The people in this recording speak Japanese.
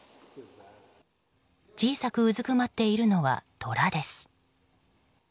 小さくうずくまっているのはトラです。